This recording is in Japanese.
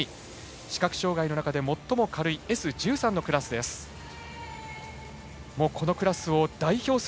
視覚障がいの中で最も軽いＳ１３のクラスです。